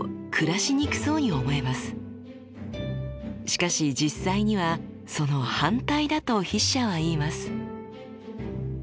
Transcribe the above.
しかし実際にはその反対だと筆者は言います。